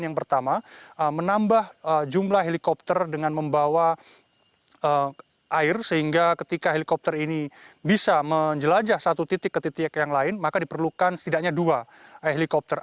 yang pertama menambah jumlah helikopter dengan membawa air sehingga ketika helikopter ini bisa menjelajah satu titik ke titik yang lain maka diperlukan setidaknya dua helikopter